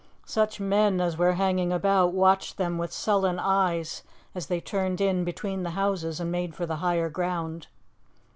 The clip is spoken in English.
Such men as were hanging about watched them with sullen eyes as they turned in between the houses and made for the higher ground.